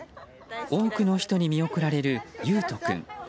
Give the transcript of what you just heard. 多くの人に見送られる維斗君。